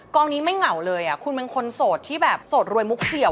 กล้องนี้ไม่เหงาเลยคุณเป็นคนโสดที่โรยมุกเหลี่ยว